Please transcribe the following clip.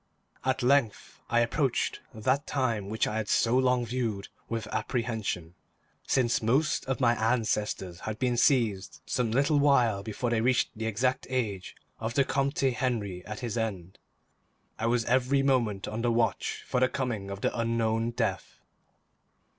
At length I approached that time which I had so long viewed with apprehension. Since most of my ancestors had been seized some little while before they reached the exact age of the Comte Henri at his end, I was every moment on the watch for the coming of the unknown death.